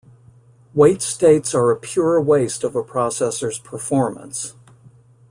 Wait states are a pure waste of a processor's performance.